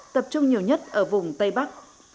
tập trung nhiều nhất ở vùng tây bắc